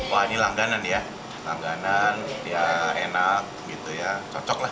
wah ini langganan ya langganan ya enak gitu ya cocok lah